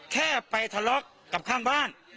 แค่ไปทะเลาะกับข้างบ้าน